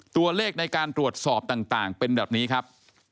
ตัวเลขในการตรวจสอบต่างเป็นแบบนี้ครับ